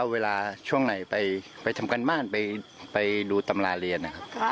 วันเสาร์ที่เที่ยง